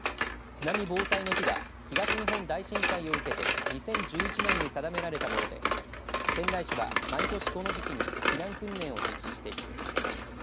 津波防災の日は東日本大震災を受けて２０１１年に定められたもので仙台市は毎年この時期に避難訓練を実施しています。